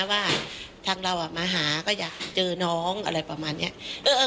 ว่าทางเรามาหาก็อยากเจอน้องอะไรประมาณนี้